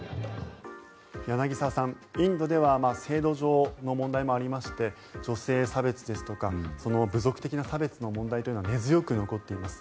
柳澤さん、インドでは制度上の問題もありまして女性差別ですとか部族的な差別の問題というのが根強く残っています。